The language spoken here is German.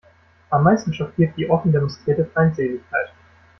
Am meisten schockiert die offen demonstrierte Feindseligkeit.